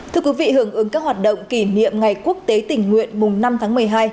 thưa quý vị hưởng ứng các hoạt động kỷ niệm ngày quốc tế tình nguyện mùng năm tháng một mươi hai